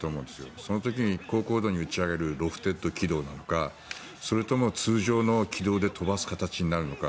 その時に高高度に打ち上げるロフテッド軌道なのかそれとも通常の軌道で飛ばす形になるのか。